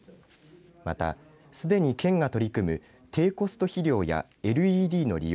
また、すでに県が取り組む低コスト肥料やＬＥＤの利用